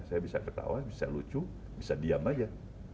saya bisa ketawa bisa lucu bisa diam aja